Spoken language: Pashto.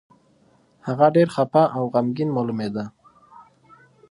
هغه ډېر خپه او غمګين مالومېده.